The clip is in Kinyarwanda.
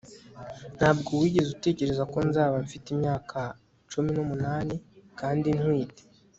ntabwo wigeze utekereza ko nzaba mfite imyaka cumi n'umunani kandi ntwite